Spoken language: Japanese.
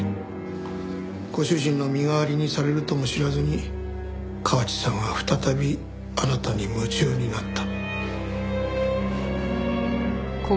ご主人の身代わりにされるとも知らずに河内さんは再びあなたに夢中になった。